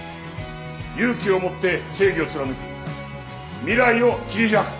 勇気を持って正義を貫き未来を切り開く。